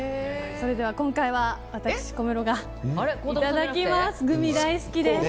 それでは今回は私、小室がいただきます。